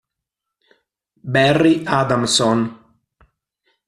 Barry Adamson